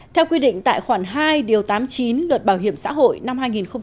theo quy định tại khoản hai điều tám mươi chín luật bảo hiểm xã hội năm hai nghìn một mươi bốn